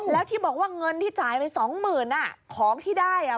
แล้วที่บอกว่าเงินที่จ่ายไปสองหมื่นอ่ะของที่ได้อ่ะ